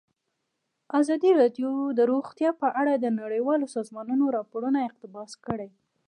ازادي راډیو د روغتیا په اړه د نړیوالو سازمانونو راپورونه اقتباس کړي.